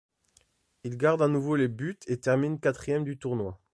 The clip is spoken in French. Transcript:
Il garde à nouveau les buts et termine quatrième du tournoi.